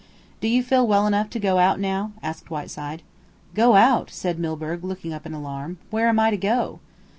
"Do you feel well enough to go out now?" asked Whiteside. "Go out?" said Milburgh, looking up in alarm. "Where am I to go?"